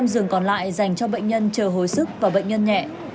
hai trăm linh giường còn lại dành cho bệnh nhân chờ hồi sức và bệnh nhân nhẹ